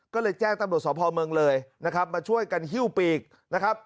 ก็เลยแจ้งตำรวจสพเมืองเลยนะครับมาช่วยกันฮิ้วปีกนะครับ